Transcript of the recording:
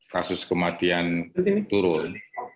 kasus kematian turun